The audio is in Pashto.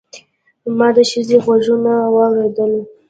ما د ښځې غږونه واورېدل.